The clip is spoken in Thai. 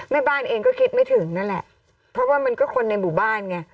แม่บ้านเองก็คิดไม่ถึงนั่นแหละเพราะว่ามันก็คนในหมู่บ้านไง